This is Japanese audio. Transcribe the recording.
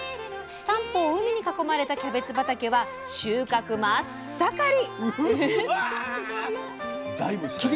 三方を海に囲まれたキャベツ畑は収穫真っ盛り！